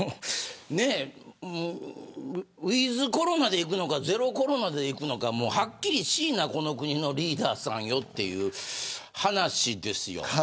ウィズコロナでいくのかゼロコロナでいくのかはっきりしいなこの国のリーダーさんよという話ですよ。